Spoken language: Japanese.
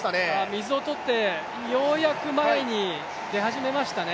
水を取ってようやく前に出始めましたね。